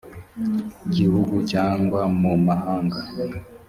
gihugu cyangwa mu mahanga